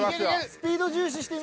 スピード重視して。